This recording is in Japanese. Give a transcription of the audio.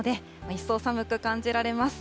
一層寒く感じられます。